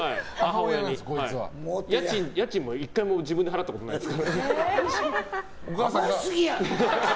家賃も１回も自分で払ったことないです。